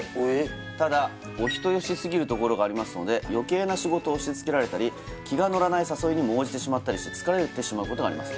ただお人よしすぎるところがありますので余計な仕事を押しつけられたり気が乗らない誘いにも応じてしまったりして疲れてしまうことがあります